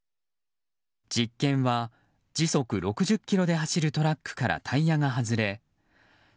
実験は時速６０キロで走るトラックからタイヤが外れ３０ｍ